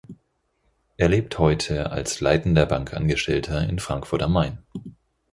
Er lebt heute als leitender Bankangestellter in Frankfurt am Main.